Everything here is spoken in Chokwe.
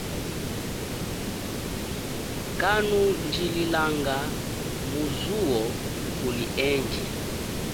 Kanundjililanga mu zuwo kuli eji.